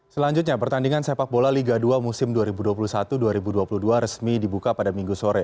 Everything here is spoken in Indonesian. selanjutnya pertandingan sepak bola liga dua musim dua ribu dua puluh satu dua ribu dua puluh dua resmi dibuka pada minggu sore